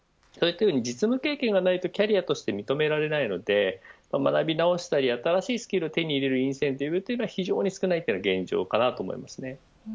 実務経験がないとキャリアとして認められないので学び直したり新しいスキルを手に入れるインセンティブが非常に少ないのが現状です。